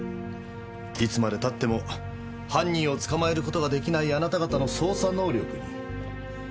いつまでたっても犯人を捕まえる事ができないあなた方の捜査能力に。